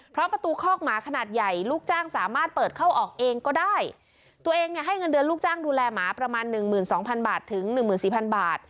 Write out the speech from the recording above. เพราะประตูคอกหมาขนาดใหญ่ลูกจ้างสามารถเปิดเข้าออกเองก็ได้ตัวเองเนี่ยให้เงินเดือนลูกจ้างดูแลหมาประมาณหนึ่งหมื่นสองพันบาทถึงหนึ่งหมื่นสี่พันบาท